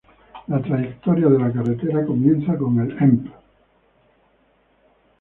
La trayectoria de la carretera comienza con el Emp.